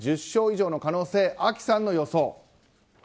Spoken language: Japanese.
１０勝以上の可能性ＡＫＩさんの予想。